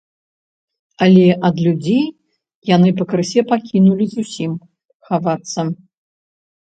Але ад людзей яны пакрысе пакінулі зусім хавацца.